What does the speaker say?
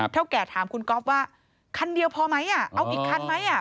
เท่าแก่ถามคุณก๊อฟว่าคันเดียวพอไหมอ่ะเอาอีกคันไหมอ่ะ